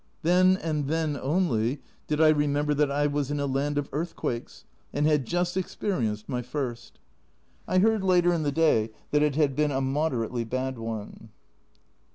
Then, and then only, did I remember that I was in a land of earth quakes, and had just experienced my first. I heard later in the day that it had been a moderately bad one.